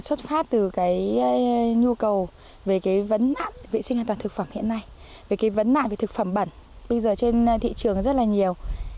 xuất phát từ cái nhu cầu về cái vấn đạn vệ sinh an toàn thực phẩm hiện nay về cái vấn nạn về thực phẩm bẩn bây giờ trên thị trường rất là nhiều